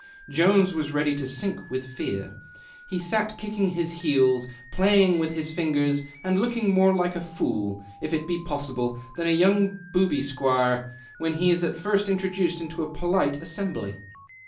Jones was ready to sink with fear. He sat kick ing his heels, playing with his fingers, and looking more like a fool, if it be possible, than a young booby squire when he is at Mrst introduced into a polite assembly.